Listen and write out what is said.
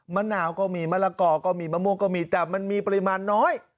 มะนาวก็มีมะละกอก็มีมะม่วงก็มีแต่มันมีปริมาณน้อย